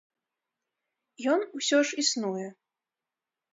Ён усё ж існуе.